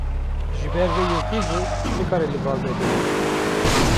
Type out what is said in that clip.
Ji ber vê yekê jî nikare li bal me bimîne.